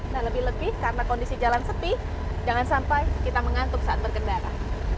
dan lebih lebih karena kondisi jalan sepi jangan sampai kita mengantuk saat berkendara